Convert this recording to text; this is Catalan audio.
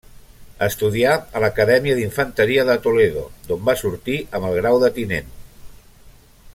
Estudià a l'Acadèmia d'Infanteria de Toledo, d'on va sortir amb el grau de tinent.